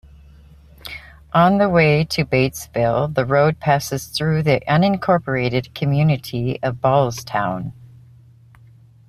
On the way to Batesville the road passes through the unincorporated community of Ballstown.